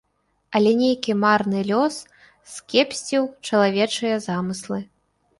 Але нейкі марны лёс скепсціў чалавечыя замыслы.